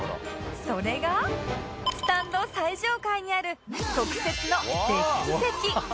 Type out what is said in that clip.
それがスタンド最上階にある特設のデッキ席